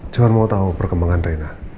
cuman mau tau perkembangan reina